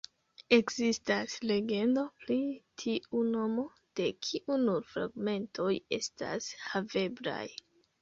Ekzistas legendo pri tiu nomo, de kiu nur fragmentoj estas haveblaj.